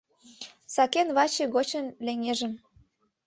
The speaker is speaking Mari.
Сакен ваче гочын леҥежым